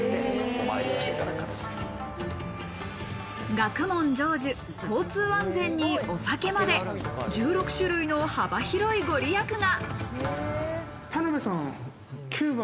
学問成就、交通安全にお酒まで１６種類の幅広い御利益が。